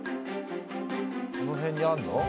この辺にあるの？